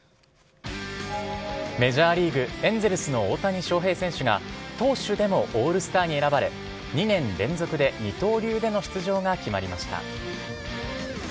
メジャーリーグ・エンゼルスの大谷翔平選手が、投手でもオールスターに選ばれ、２年連続で二刀流での出場が決まりました。